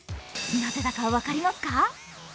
なぜだか分かりますか？